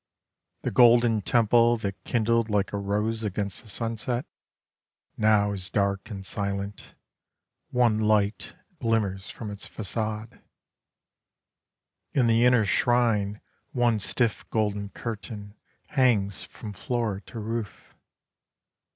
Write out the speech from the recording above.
The golden temple That kindled like a rose against the sunset, Now is dark and silent, One light glimmers from its façade. In the inner shrine One stiff golden curtain Hangs from floor to roof.